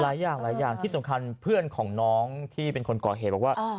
หลายอย่างหลายอย่างที่สำคัญเพื่อนของน้องที่เป็นคนก่อเหตุบอกว่า